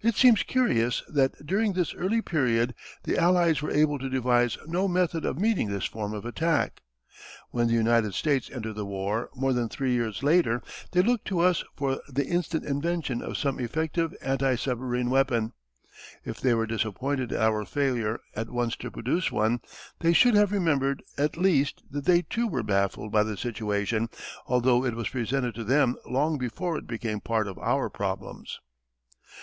It seems curious that during this early period the Allies were able to devise no method of meeting this form of attack. When the United States entered the war more than three years later they looked to us for the instant invention of some effective anti submarine weapon. If they were disappointed at our failure at once to produce one, they should have remembered at least that they too were baffled by the situation although it was presented to them long before it became part of our problems.